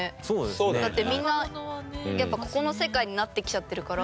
だってみんなやっぱここの世界になってきちゃってるから。